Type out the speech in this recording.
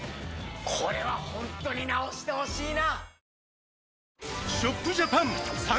これはホントに直してほしいな！